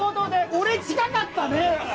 俺近かったね！